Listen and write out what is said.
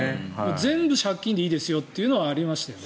全部借金でいいですよというのはありましたよね。